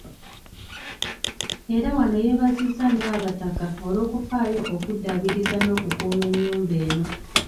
Era wano yebaziza nnyo Abataka olw'okufaayo okuddabiriza n'okukuuma enyumba eno.